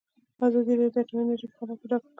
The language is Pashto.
ازادي راډیو د اټومي انرژي حالت په ډاګه کړی.